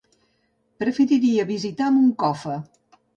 Preferiria visitar Moncofa.